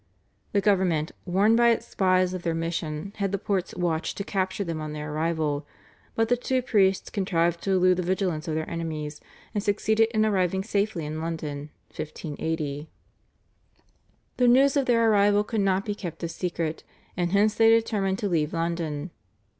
The government, warned by its spies of their mission, had the ports watched to capture them on their arrival, but the two priests contrived to elude the vigilance of their enemies, and succeeded in arriving safely in London (1580). The news of their arrival could not be kept a secret, and hence they determined to leave London.